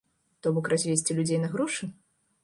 То бок, развесці людзей на грошы?